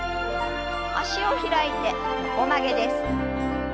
脚を開いて横曲げです。